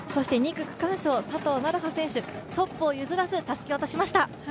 ２区区間賞、佐藤成葉選手トップを譲らずたすきを渡しました。